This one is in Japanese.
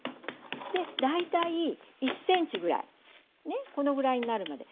で大体１センチぐらいこのぐらいになるまで。